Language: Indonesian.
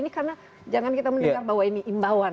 karena jangan kita mendengar bahwa ini imbauan